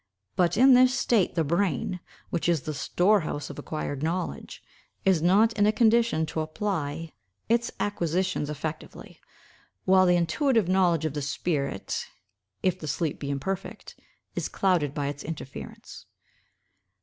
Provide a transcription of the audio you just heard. But in this state the brain, which is the storehouse of acquired knowledge, is not in a condition to apply its acquisitions effectively; while the intuitive knowledge of the spirit, if the sleep be imperfect, is clouded by its interference.